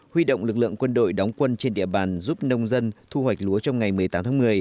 huy động lực lượng quân đội đóng quân trên địa bàn giúp nông dân thu hoạch lúa trong ngày một mươi tám tháng một mươi